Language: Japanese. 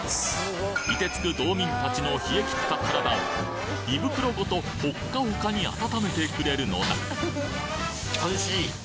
凍てつく道民たちの冷え切った体を胃袋ごとホッカホカに温めてくれるのだ！